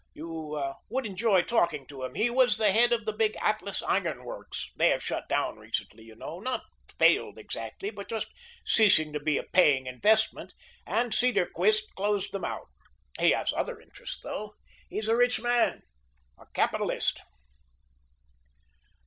You would enjoy talking to him. He was the head of the big Atlas Iron Works. They have shut down recently, you know. Not failed exactly, but just ceased to be a paying investment, and Cedarquist closed them out. He has other interests, though. He's a rich man a capitalist."